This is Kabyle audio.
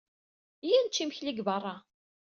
Iyya ad nečč imekli deg beṛṛa.